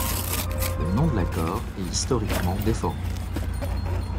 Le nom de l'accord est historiquement déformé.